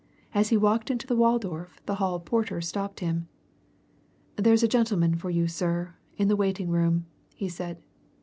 As he walked into the Waldorf the hall porter stopped him. "There's a gentleman for you, sir, in the waiting room," he said.